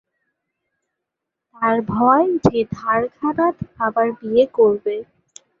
তার ভয়, যে দ্বারকানাথ আবার বিয়ে করবে।